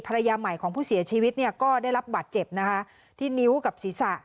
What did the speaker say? ภรรยาใหม่ของผู้เสียชีวิตเนี่ยก็ได้รับบาดเจ็บนะคะที่นิ้วกับศีรษะ